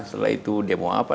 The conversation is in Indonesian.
setelah itu demo apa